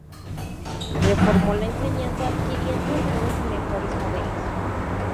Reformó la enseñanza adquiriendo nuevos y mejores modelos.